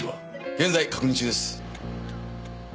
現在確認中です。